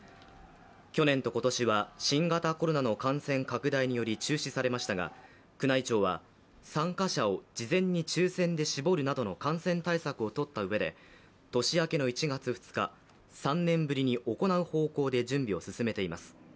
去年と今年は新型コロナの感染拡大により中止されましたが宮内庁は、参加者を事前に抽選で絞るなどの感染対策を取った上で年明けの１月２日、３年ぶりに行う方向で準備を進めています。